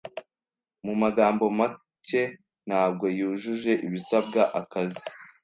Mu magambo make, ntabwo yujuje ibisabwa akazi.